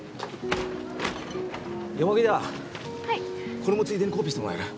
これもついでにコピーしてもらえる？